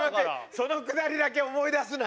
そのくだりだけ思い出すな。